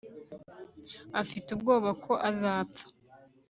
afite ubwoba ko azapfa